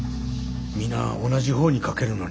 皆同じ方に賭けるのに。